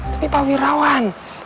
tapi pak wirawan